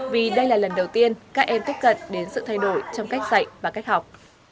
vì đây là lần đầu tiên các em tiếp cận đến sự thay đổi trong cách dạy và cách học